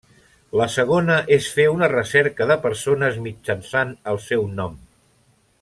La segona és fer una recerca de persones mitjançant el seu nom.